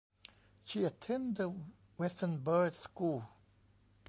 She attended Westonbirt School.